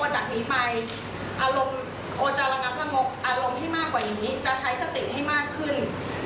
จะใช้สติให้มากขึ้น